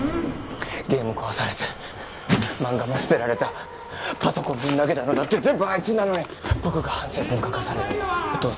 ゲーム壊されて漫画も捨てられたパソコンぶん投げたのだって全部あいつなのに僕が反省文書かされるんだ